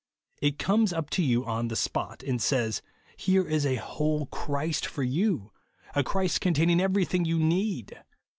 It comes up to you on the spot, and says. Here is a whole Christ for you, —■ a Christ containing everything you need.